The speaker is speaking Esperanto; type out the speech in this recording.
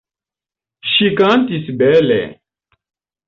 Ŝi kantis bele.